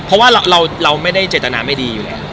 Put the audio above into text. เพราะว่าเราไม่ได้เจตนาไม่ดีอยู่แล้ว